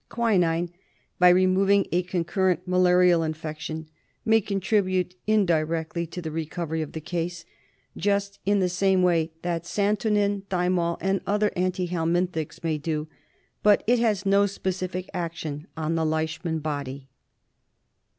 Quinine, by removing a concurrent malarial infection, may contribute indirectly to the recovery of the case, just in the same way that santonin, thymol, and other anthelmintics may do, but it has no specific action on the Leishman body.